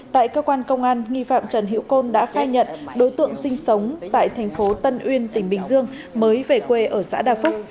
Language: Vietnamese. tại cơ quan công an nghi phạm trần hữu côn đã khai nhận đối tượng sinh sống tại thành phố tân uyên tỉnh bình dương mới về quê ở xã đà phúc